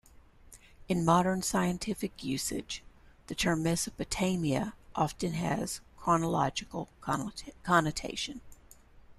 In modern scientific usage, the term Mesopotamia often also has a chronological connotation.